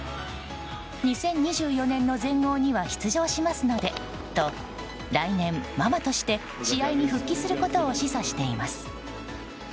２０２４年の全豪には出場しますのでと来年、ママとして試合に復帰することを示唆しています。